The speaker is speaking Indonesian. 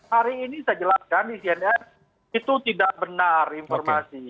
hari ini saya jelaskan di cnn itu tidak benar informasi